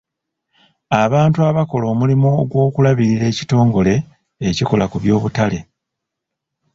Abantu abakola omulimu ogw'okulabirira ekitongole ekikola ku by'obutale.